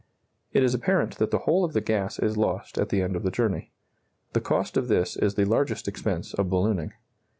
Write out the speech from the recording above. It is apparent that the whole of the gas is lost at the end of the journey. The cost of this is the largest expense of ballooning.